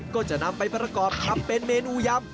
ก็จะนำไปประกอบทำเป็นเมนูยำ